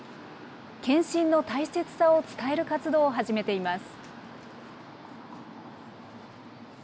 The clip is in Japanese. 検診の大切さを伝える活動を始めています。